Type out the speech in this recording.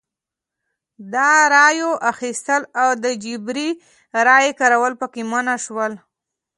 د رایو اخیستل او د جبري رایې کارول پکې منع شول.